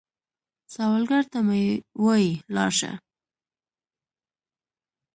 سوالګر ته مه وايئ “لاړ شه”